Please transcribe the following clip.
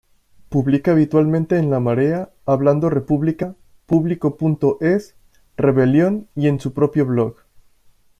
Publica habitualmente en La Marea, Hablando República, Público.es, Rebelión y en su propio blog.